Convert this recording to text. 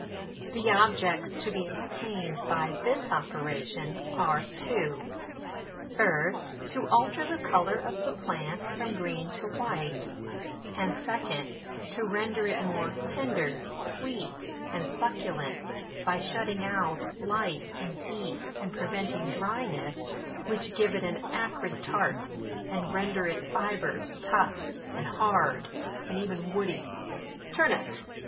" The objects to be attained by this ope* ration are two :— first, to alter the colour of the plant from green to white ; and second, to render it more tender, sweet and succulent, by shutting out light and heat, and prevent ing dryness, which give it an acrid tart, and render its fibres tough and hard, and even woody." TURNIPS.